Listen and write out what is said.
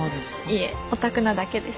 いえオタクなだけです。